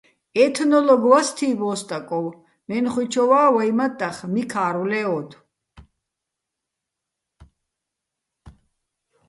"ეთნოლოგ ვასო̆"-თი́ბო̆ ო́ სტაკოვ, მენხუჲჩოვა́ ვაჲ მატტახ მიქა́რვ ლე́ოდო̆.